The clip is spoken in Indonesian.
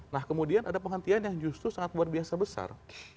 nah kemudian ada penghentian yang justru sangat luar biasa besar